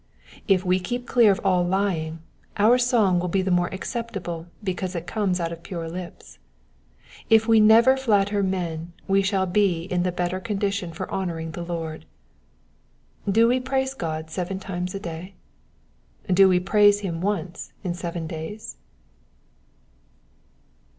If we keep clear of all lying, our song will be the more acceptable because it comes out of pure lips. If we never flatter men we shall be in the better condition for honouring the Lord. Do we praise God seven times a day ? Do we praise him once in seven days